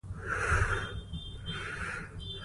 هندوکش د افغانستان د طبیعي زیرمو برخه ده.